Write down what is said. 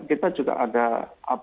di kita kita juga ada audit